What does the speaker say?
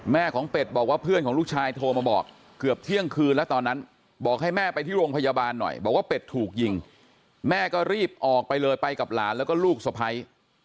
ของเป็ดบอกว่าเพื่อนของลูกชายโทรมาบอกเกือบเที่ยงคืนแล้วตอนนั้นบอกให้แม่ไปที่โรงพยาบาลหน่อยบอกว่าเป็ดถูกยิงแม่ก็รีบออกไปเลยไปกับหลานแล้วก็ลูกสะพ้าย